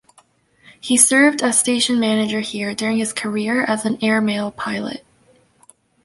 He served as station manager here during his career as an airmail pilot.